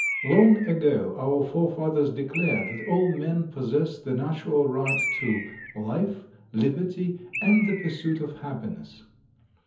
Long ago our forefathers declared that all men possess the natural right to "Life Liberty and the Pursuit of Happiness."